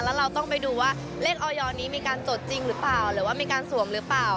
แล้วเราต้องไปดูว่าเลขออยนี้มีการจดจริงหรือเปล่าหรือว่ามีการสวมหรือเปล่า